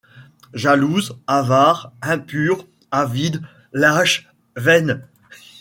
Jalouse, avare, impure, avide, lâche, vaine